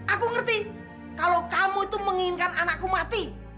aku ngerti kalau kamu itu menginginkan anakku mati